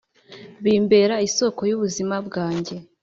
bimbera isoko y’ubuzima bwanjye